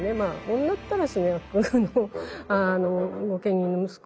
女ったらしの御家人の息子